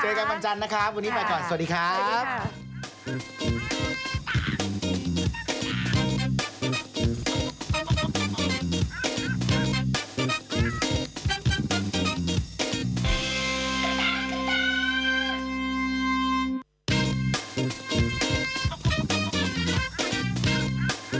กันวันจันทร์นะครับวันนี้ไปก่อนสวัสดีครับ